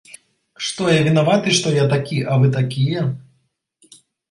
Што я вінаваты, што я такі, а вы такія?